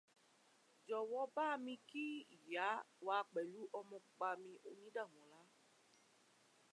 Jọ̀wọ́ bá mi kí ìyá wa pẹ̀lú ọmọ pupa mi, Oyindàmọ́lá.